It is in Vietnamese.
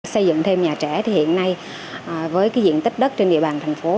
xây dựng thêm nhà trẻ thì hiện nay với diện tích đất trên địa bàn thành phố